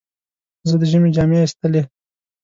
زه د ژمي جامې ایستلې.